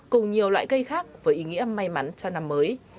cùng nhiều loại cây khác với ý nghĩa may mắn cho năm mới